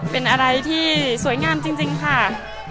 เป็นอะไรที่สวยงามจริงค่ะ